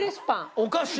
おかしい。